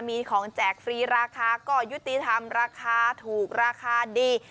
มีของแจกฟรีราคาก็ยุติธรรมราคาถูกราคาดี